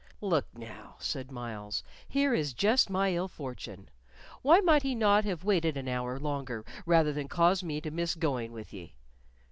"Look now," said Myles, "here is just my ill fortune. Why might he not have waited an hour longer rather than cause me to miss going with ye?"